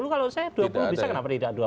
kalau saya dua puluh bisa kenapa tidak dua puluh